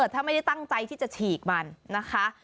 ถ้าไม่ได้ตั้งใจที่จะฉีกมันนะคะ